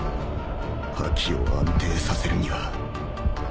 覇気を安定させるには